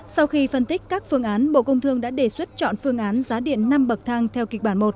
sau khi phân tích các phương án bộ công thương đã đề xuất chọn phương án giá điện năm bậc thang theo kịch bản một